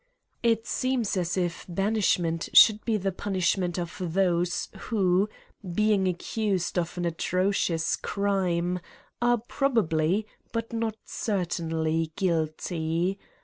It seems as if banishment should be the punish ment of those who, being accused of an atrocious crime, are probably, but not certainly, guilty.